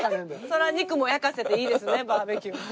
それは肉も焼かせていいですねバーベキュー。